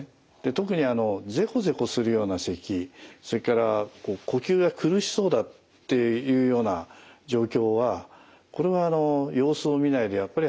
特にゼコゼコするようなせきそれから呼吸が苦しそうだっていうような状況はこれは様子を見ないでやっぱり早めに。